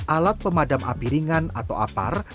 alat pemadam api ringan atau apar